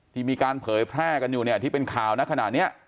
ที่มีการเผยแพร่กันอยู่เนี่ยที่เป็นข่าวนะขณะนี้